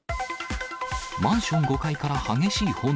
マンション５階から激しい炎。